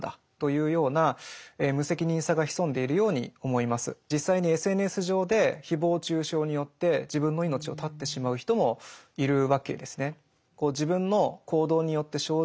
例えば実際にＳＮＳ上でひぼう中傷によって自分の命を絶ってしまう人もいるわけですね。